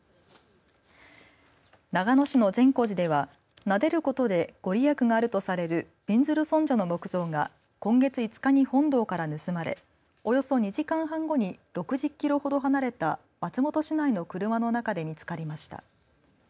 長野市の善光寺ではなでることで御利益があるとされるびんずる尊者の木像が今月５日に本堂から盗まれおよそ２時間半後に６０キロ離れた松本市内の車の中で見つかりました。